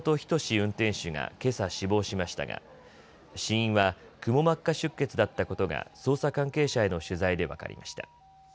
運転手がけさ死亡しましたが死因はくも膜下出血だったことが捜査関係者への取材で分かりました。